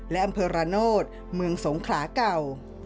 และอำเภอระโนธเมืองสงขลาเก่า